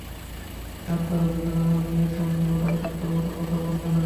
আর তোরা দুজন আমার মেয়ের সামনে মাদকাসক্তদের মতো কথা বলবে না।